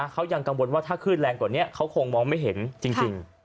เขายังกังวลว่าถ้าคลื่นแรงกว่านี้เขาคงมองไม่เห็นจริง